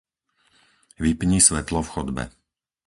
Vypni svetlo v chodbe.